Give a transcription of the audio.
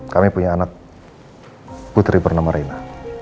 kami punya anak putri bernama rena